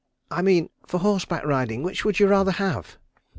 "I mean for horse back riding, which would you rather have?"